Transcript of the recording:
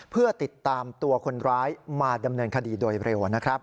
เพื่อติดตามตัวคนร้ายมาดำเนินคดีโดยเร็วนะครับ